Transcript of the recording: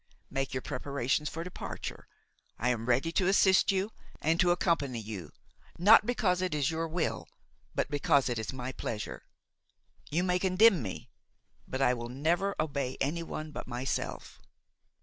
Make your preparations for departure; I am ready to assist you and to accompany you, not because it is your will, but because it is my pleasure. You may condemn me, but I will never obey anyone but myself."